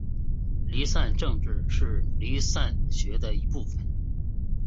离散政治是离散学的一部份。